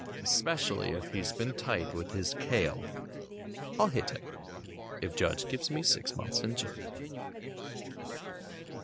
Especially if he's been tight with his "kale" I'll hit him, if Judge gives me six months in jail.